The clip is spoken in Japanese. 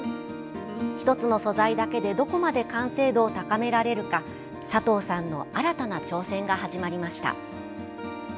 １つの素材だけでどこまで完成度を高められるか佐藤さんの新たな挑戦が始まりました。